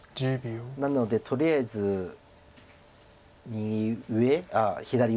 なのでとりあえず右上ああ左上か。